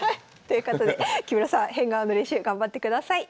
ということで木村さん変顔の練習頑張ってください。